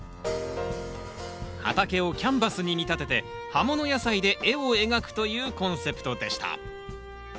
畑をキャンバスに見立てて葉もの野菜で絵を描くというコンセプトでした。